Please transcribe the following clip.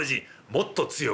「もっと強く」。